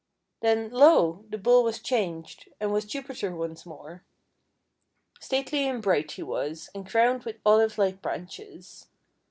Then, lo! the Bull was changed, and was Jupiter once more! Stately and bright he was, and crowned with Olive like branches.